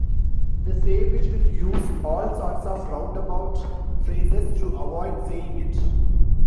The savage will use all sorts of roundabout phrases to avoid saying it.